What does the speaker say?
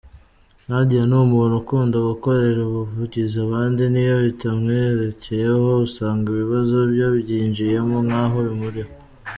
Nadia ni umuntu ukunda gukorera ubuvugizi abandi, niyo bitamwerekeyeho, usanga ibibazo yabyinjiyemo nkaho bimuriho.